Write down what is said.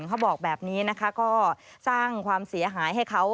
เขาบอกแบบนี้นะคะก็สร้างความเสียหายให้เขา